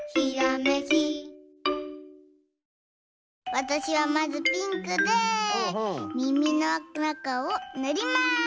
わたしはまずピンクでみみのなかをぬります。